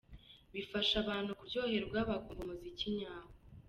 Bifasha abantu kuryoherwa bakumva umuziki nyawo.